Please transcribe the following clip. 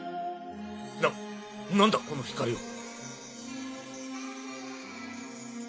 な何だこの光は。